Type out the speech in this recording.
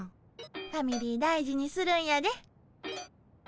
ファミリー大事にするんやで。